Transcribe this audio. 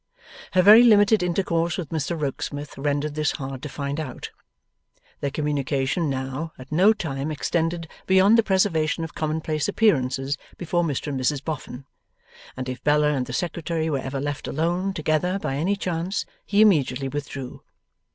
Her very limited intercourse with Mr Rokesmith rendered this hard to find out. Their communication now, at no time extended beyond the preservation of commonplace appearances before Mr and Mrs Boffin; and if Bella and the Secretary were ever left alone together by any chance, he immediately withdrew.